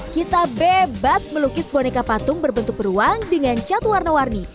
kita bebas melukis boneka patung berbentuk beruang dengan cat warna warni